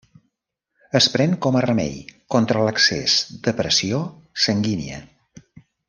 Es pren com a remei contra l'excés de pressió sanguínia.